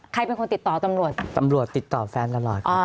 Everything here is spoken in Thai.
ใครเป็นคนติดต่อตำรวจตำรวจติดต่อแฟนตลอด